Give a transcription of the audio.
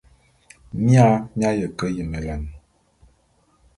Mia mi aye ke yemelane.